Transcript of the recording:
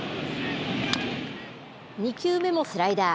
２球目もスライダー。